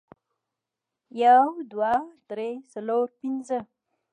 یو، دوه، درې، څلور، پنځه